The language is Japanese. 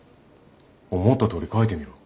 思ったとおり書いてみろ。